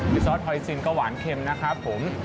มีซอสเฮอร์ซินก้าวหวานเข็มนะครับผม